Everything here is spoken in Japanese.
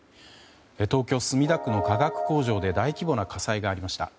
東京・墨田区の化学工場で大規模な火災がありました。